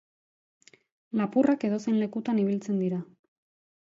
Lapurrak edozein lekutan ibiltzen dira.